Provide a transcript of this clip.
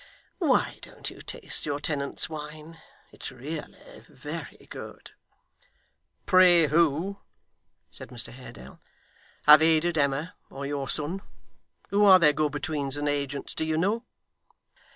Why don't you taste your tenant's wine? It's really very good.' 'Pray who,' said Mr Haredale, 'have aided Emma, or your son? Who are their go betweens, and agents do you know?